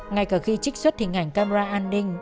ngay cả khi trích xuất hình ảnh camera an ninh